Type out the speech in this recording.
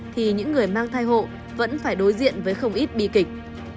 thì những người mang thai hộ vẫn phải đối diện với không ít bi kịch